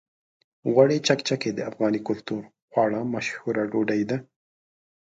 غوړي چکچکي د افغاني کلتوري خواړو مشهوره ډوډۍ ده.